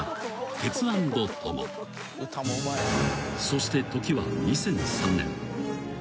［そして時は２００３年］